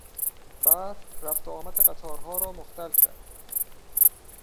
برف رفت و آمد قطارها را مختل کرد.